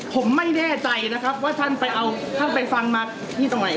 ผมไม่แน่ใจนะครับว่าท่านไปเอาท่านไปฟังมาที่ตรงไหน